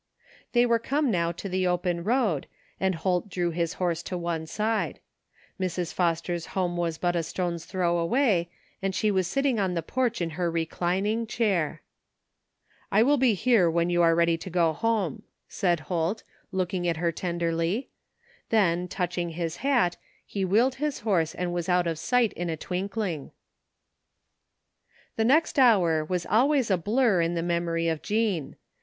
They were come now to the open road, and Holt drew his horse to one side. Mrs. Foster's home was but a stone's throw away and she was sitting on the porch in her reclining chair. " I will be here when you are ready to go home,'^ said Holt, looking at her tenderly; then, touching his hat, he wheeled his horse and was out of sight in a twinkling. 187 THE FINDING OF JASPER HOLT The next hour was always a blur in the memory of Jean.